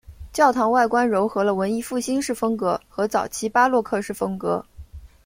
教堂外观揉合了文艺复兴式风格和早期巴洛克式风格。